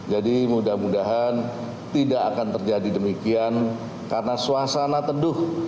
jadi mudah mudahan tidak akan terjadi demikian karena suasana teduh